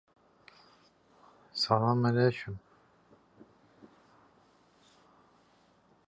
Buna cavab olaraq Teymur Cənubi Qafqazı işğal etdi və onu öz dövlətinə qatdı.